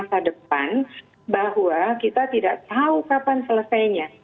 masa depan bahwa kita tidak tahu kapan selesainya